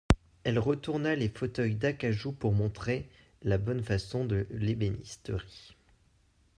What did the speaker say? Elle retourna les fauteuils d'acajou pour montrer la bonne façon de l'ébénisterie.